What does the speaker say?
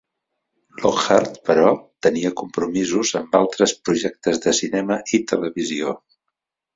Lockhart, però, tenia compromisos amb altres projectes de cinema i televisió.